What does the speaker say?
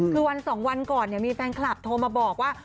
คือวัน๒วันก่อนมีแฟนคลับโทรมาบอกว่า